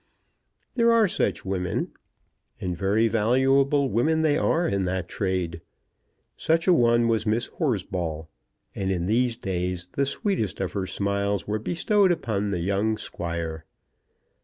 There are such women, and very valuable women they are in that trade. Such a one was Miss Horsball, and in these days the sweetest of her smiles were bestowed upon the young Squire.